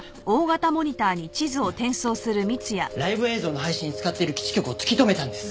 ライブ映像の配信に使っている基地局を突き止めたんです。